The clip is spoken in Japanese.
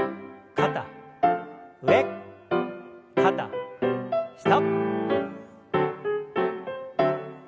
肩上肩下。